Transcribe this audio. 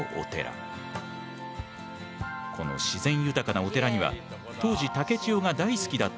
この自然豊かなお寺には当時竹千代が大好きだった